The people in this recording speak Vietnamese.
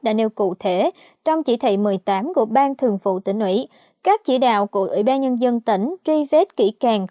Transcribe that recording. đã nêu cụ thể trong chỉ thị một mươi tám của ban thường vụ tỉnh ủy